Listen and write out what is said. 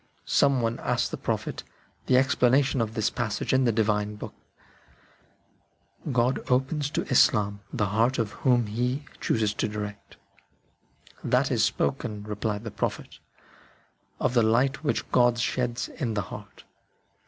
Some one asked the Prophet the ex planation of this passage in the Divine Book :" God opens to Islam the heart of him whom He chooses to direct." " That is spoken," replied the Prophet, " of the light which God sheds in the heart."